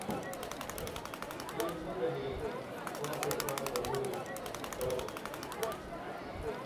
یہ مہ گنئیں تیہ کاسہ ݜا کنوں موں ݜا بہ مہربن